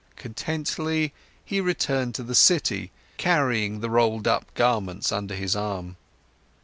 Contently, he returned to the city, carrying the rolled up garments under his arm.